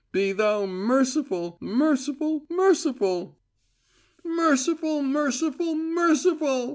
Be Thou merciful merciful merciful" ... "MERCIFUL, MERCIFUL, MERCIFUL!"